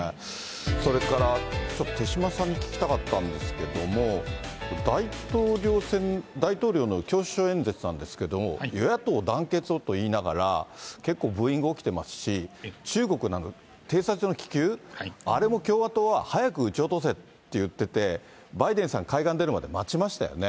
それから、ちょっと手嶋さんに聞きたかったんですけれども、大統領選、大統領の教書演説なんですけど、与野党団結をといいながら、結構ブーイング起きてますし、中国なんか偵察の気球、あれも共和党は早く撃ち落とせって言ってて、バイデンさん、海岸出るまで待ちましたよね。